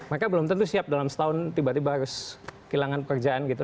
mereka belum tentu siap dalam setahun tiba tiba harus kehilangan pekerjaan gitu